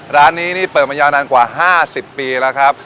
ร้านนี้นี่เปิดมายาวนานกว่า๕๐ปีแล้วครับ